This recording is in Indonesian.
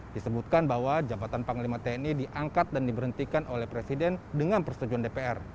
disebutkan bahwa jabatan panglima tni diangkat dan diberhentikan oleh presiden dengan persetujuan dpr